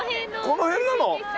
この辺なの？